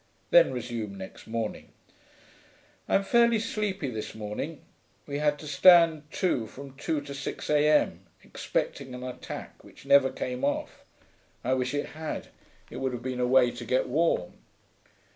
Then, resumed next morning,) 'I'm fairly sleepy this morning; we had to stand to from two to six A.M., expecting an attack which never came off. I wish it had, it would have been a way to get warm.